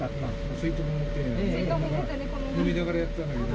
水筒を持って、飲みながらやってたんだけど。